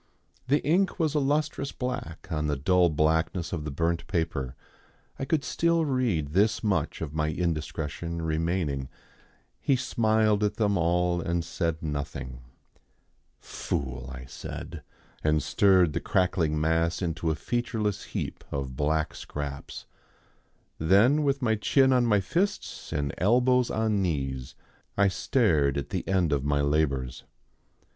The ink was a lustrous black on the dull blackness of the burnt paper. I could still read this much of my indiscretion remaining, "He smiled at them all and said nothing." "Fool!" I said, and stirred the crackling mass into a featureless heap of black scraps. Then with my chin on my fists and elbows on knees I stared at the end of my labours.